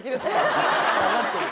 分かってる！